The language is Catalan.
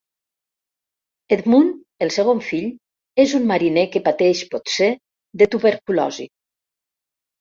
Edmund, el segon fill, és un mariner que pateix potser de tuberculosi.